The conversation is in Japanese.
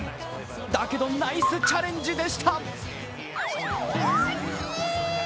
だけどナイスチャレンジでした。